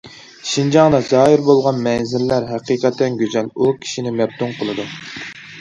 شىنجاڭدا زاھىر بولغان مەنزىرىلەر ھەقىقەتەن گۈزەل، ئۇ كىشىنى مەپتۇن قىلىدۇ.